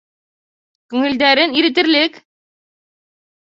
Күңелдәрен иретерлек!